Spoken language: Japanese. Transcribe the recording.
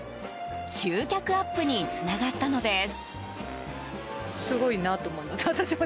集客アップにつながったのです。